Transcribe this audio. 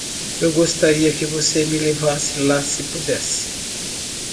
Eu gostaria que você me levasse lá se pudesse.